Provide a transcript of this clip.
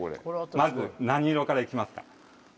まず何色から行きますか？